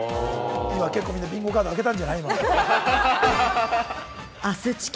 みんな今、ビンゴカードあけたんじゃない？